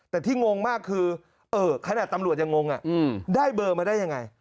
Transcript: แต่ที่งงมากคือเออแค่แน่ตำรวจยังงงได้เบอร์มาได้อย่างไร